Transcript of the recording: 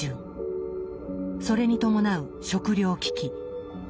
それに伴う食糧危機。